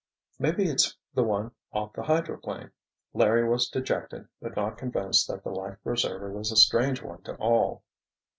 "Maybe it's the one off the hydroplane," Larry was dejected, but not convinced that the life preserver was a strange one to all.